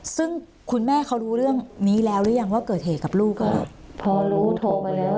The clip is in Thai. ซึ่งคุณแม่เขารู้เรื่องนี้แล้วหรือยังว่าเกิดเหตุกับลูกอ่ะพอรู้โทรไปแล้ว